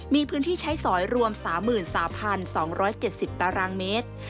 มีพื้นที่ใช้สอยรวม๓๓๒๗๐ตารางเมตร